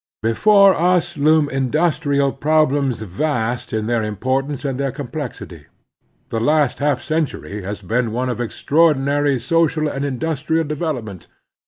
Before us loom industrial problems vast in their importance and their complexity. The last half centiuy has been one of extraordinary social and industrial development.